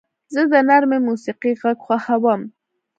زه د نرم موسیقۍ غږ خوښوم.